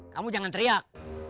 kamu jangan teriak